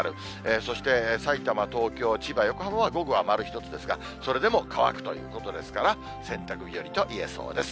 そして、さいたま、東京、千葉、横浜は午後は丸１つですが、それでも乾くということですから、洗濯日和といえそうです。